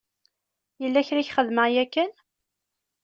Yella kra i k-xedmeɣ yakan?